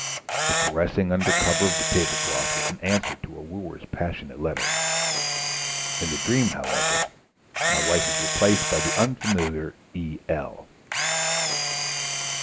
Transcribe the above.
The caressing under cover of the tablecloth was an answer to a wooer's passionate letter. In the dream, however, my wife is replaced by the unfamiliar E.L.